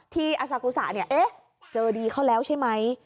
ที่อสากุสาเนี้ยเอ๊ะเจอดีเขาแล้วใช่ไหม